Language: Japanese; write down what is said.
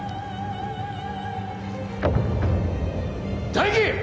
大樹！